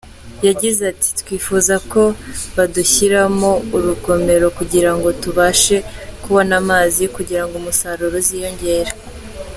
Yagize ati “Twifuza ko badushyiriramo urugomero kugirango tubashe kubona amazi, kugira ngo umusaruro uziyongere”.